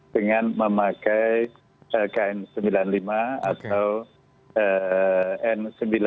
dengan memakai kn sembilan puluh lima atau n sembilan puluh lima